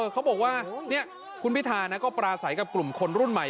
เขาบอกว่าคุณพิธาก็ปราศัยกับกลุ่มคนรุ่นใหม่